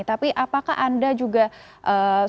tapi apakah anda juga sudah mencoba